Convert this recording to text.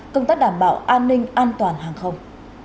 công tác đảm bảo an ninh an toàn hàng không